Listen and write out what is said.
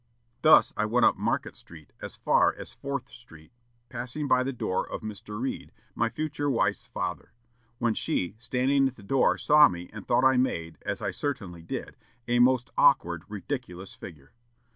"Thus I went up Market Street as far as Fourth Street, passing by the door of Mr. Read, my future wife's father; when she, standing at the door, saw me, and thought I made, as I certainly did, a most awkward, ridiculous figure.